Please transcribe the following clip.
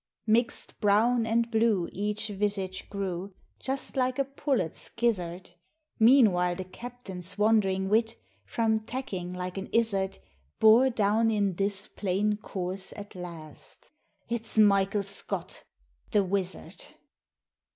Mix'd brown and blue each visage grew, Just like a pullet's gizzard; Meanwhile the captain's wandering wit, From tacking like an izzard, Bore down in this plain course at last, "It's Michael Scott the Wizard!"